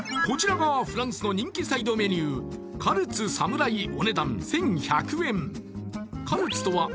こちらがフランスの人気サイドメニューカルツ・サムライ